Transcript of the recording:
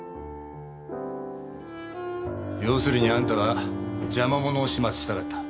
要するにあんたは邪魔者を始末したかった。